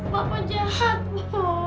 bapak jahat bu